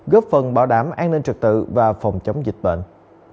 góp phần bảo đảm an ninh trật tự và phòng chống dịch bệnh